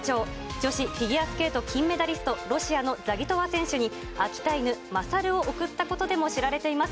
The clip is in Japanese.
女子フィギュアスケート金メダリスト、ロシアのザギトワ選手に秋田犬、マサルを贈ったことでも知られています。